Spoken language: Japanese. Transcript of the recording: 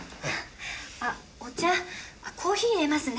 あお茶コーヒーいれますね。